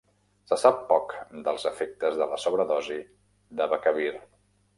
Se sap poc dels efectes de la sobredosi d"Abacavir.